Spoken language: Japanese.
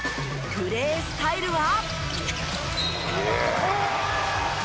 プレースタイルは。